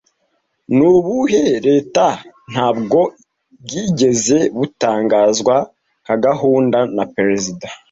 Ni ubuhe 'Leta, nta bwoko bwigeze butangazwa nka' Gahunda 'na Perezida